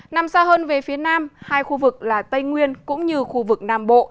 nằm xa hơn về phía nam hai khu vực là tây nguyên cũng như khu vực nam bộ